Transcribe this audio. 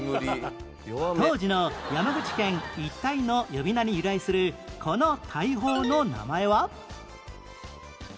当時の山口県一帯の呼び名に由来するこの大砲の名前は？